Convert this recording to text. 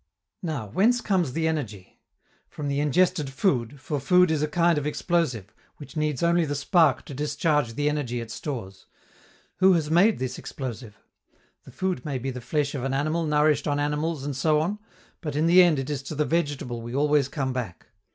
Now, whence comes the energy? From the ingested food, for food is a kind of explosive, which needs only the spark to discharge the energy it stores. Who has made this explosive? The food may be the flesh of an animal nourished on animals and so on; but, in the end it is to the vegetable we always come back.